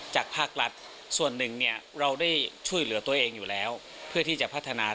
ภาครัฐส่วนหนึ่งเนี่ยเราได้ช่วยเหลือตัวเองอยู่แล้วเพื่อที่จะพัฒนา